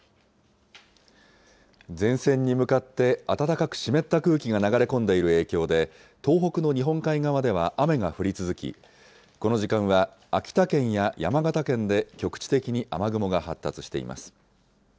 前線に向かって暖かく湿った空気が流れ込んでいる影響で、東北の日本海側では雨が降り続き、この時間は秋田県や山形県で局地的に雨雲が発達しています。